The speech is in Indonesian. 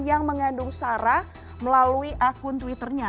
yang mengandung sarah melalui akun twitternya